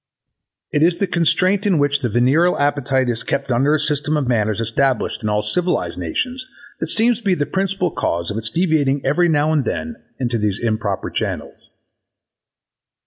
It is the constraint in which the venereal appetite is kept under the system of manners established in all civilized nations that seems to be the principal cause of its deviating every now and then into these improper channels.